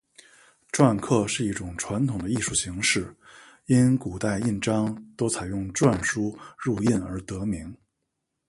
篆刻是一种传统的艺术形式，因古代印章多采用篆书入印而得名。